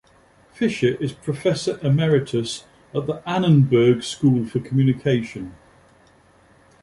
Fisher is Professor Emeritus at the Annenberg School for Communication.